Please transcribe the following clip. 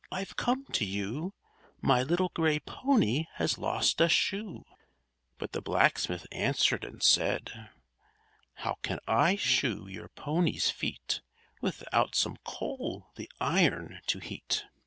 I've come to you; My little gray pony has lost a shoe_!" But the blacksmith answered and said: "How can I shoe your pony's feet, Without some coal the iron to heat?"